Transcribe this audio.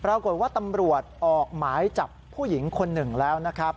ปรากฏว่าตำรวจออกหมายจับผู้หญิงคนหนึ่งแล้วนะครับ